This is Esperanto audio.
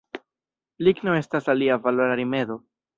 Ligno estas alia valora rimedo.